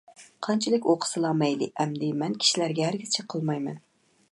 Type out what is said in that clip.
قانچىلىك ئوقۇسىلا مەيلى. ئەمدى مەن كىشىلەرگە ھەرگىز چېقىلمايمەن.